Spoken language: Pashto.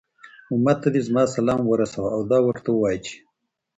أمت ته دي زما سلام ورسوه، او دا ورته ووايه چې